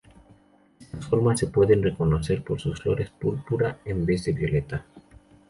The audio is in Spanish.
Estas formas se pueden reconocer por sus flores púrpura en vez de violeta.